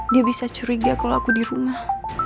dia bisa curiga kalau aku di rumah